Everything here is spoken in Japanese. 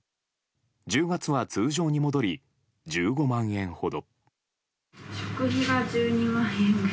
１０月は、通常に戻り１５万円ほど。